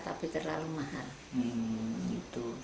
tapi terlalu mahal